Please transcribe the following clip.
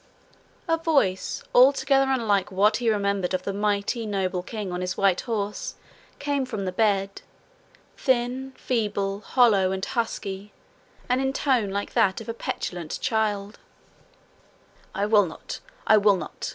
A voice altogether unlike what he remembered of the mighty, noble king on his white horse came from the bed, thin, feeble, hollow, and husky, and in tone like that of a petulant child: 'I will not, I will not.